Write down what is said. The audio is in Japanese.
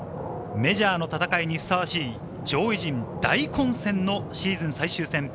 メジャーの戦いにふさわしい上位陣大混戦のシーズン最終戦。